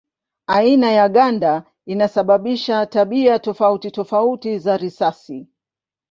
Aina ya ganda inasababisha tabia tofauti tofauti za risasi.